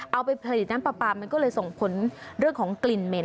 เอาไปผลิตน้ำปลาปลามันก็เลยส่งผลเรื่องของกลิ่นเหม็น